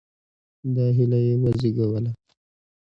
دا هیله یې وزېږوله.